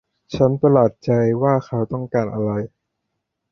ฉันประหลาดใจว่าเขาต้องการอะไร